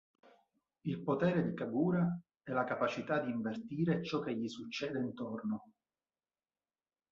Il potere di Kagura è la capacità di invertire ciò che gli succede intorno.